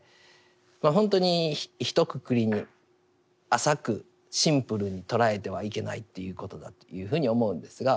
ほんとにひとくくりに浅くシンプルに捉えてはいけないということだというふうに思うんですが。